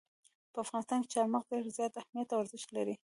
په افغانستان کې چار مغز ډېر زیات اهمیت او ارزښت لري.